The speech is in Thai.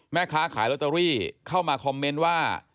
แม่ค้าขายลอตเตอรี่เข้ามาคอมเมนต์ว่า